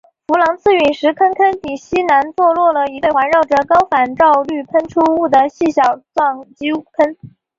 弗朗茨陨石坑坑底西南坐落了一对环绕着高反照率喷出物的细小撞击坑。